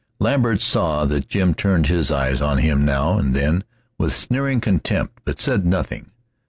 Lambert saw that Jim turned his eyes on him now and then with sneering contempt, but said nothing.